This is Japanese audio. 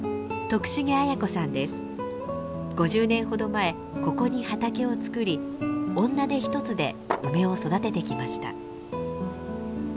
５０年ほど前ここに畑を作り女手ひとつで梅を育ててきました。